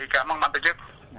cảm ơn bác tổ chức